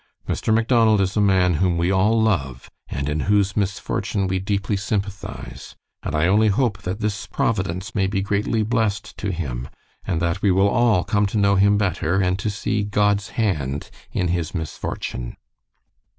Mr. Macdonald is a man whom we all love, and in whose misfortune we deeply sympathize, and I only hope that this Providence may be greatly blessed to him, and that we will all come to know him better, and to see God's hand in his misfortune."